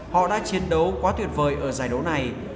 họ đã chiến đấu quá tuyệt vời ở giải đấu này